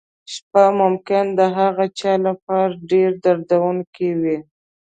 شپه ممکن د هغه چا لپاره ډېره دردونکې وي.